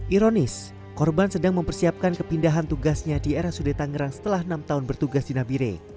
ironis korban sedang mempersiapkan kepindahan tugasnya di rsud tangerang setelah enam tahun bertugas di nabire